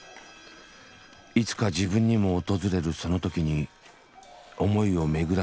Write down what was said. いつか自分にも訪れるその時に思いを巡らせているように見えた。